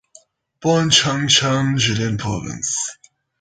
Born in Changchun, Jilin Province.